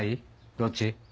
どっち？